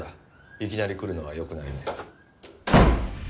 いきなり来るのはよくないね。